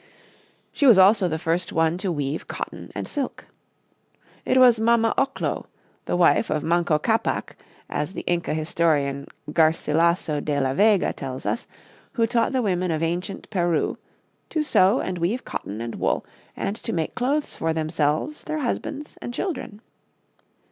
She was also the first one to weave cotton and silk. It was Mama Oclo, the wife of Manco Capac, as the Inca historian, Garcilasso de la Vega, tells us, who taught the women of ancient Peru "to sew and weave cotton and wool and to make clothes for themselves, their husbands and children."